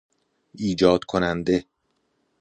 ایجاد کننده